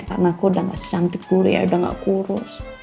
karena aku udah gak sesantik dulu ya udah gak kurus